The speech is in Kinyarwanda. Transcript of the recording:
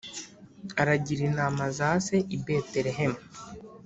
aragira intama za se i Betelehemu.